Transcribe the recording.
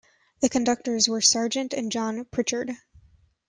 The conductors were Sargent and John Pritchard.